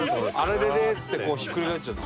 「あれれれ」っつってひっくり返っちゃう。